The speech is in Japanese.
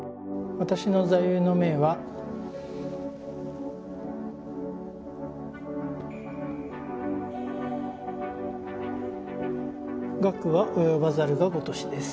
私の座右の銘は学は及ばざるが如しです